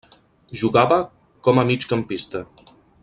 Jugava com a migcampista.